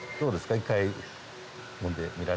一回。